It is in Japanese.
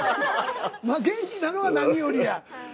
元気なのは何よりや。